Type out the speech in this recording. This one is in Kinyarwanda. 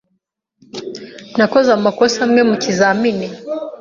Nakoze amakosa amwe mukizamini.